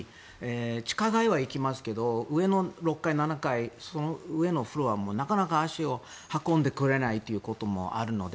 地下街は行きますけど上の６階、７階上のフロアにはなかなか足を運んでくれないこともあるので。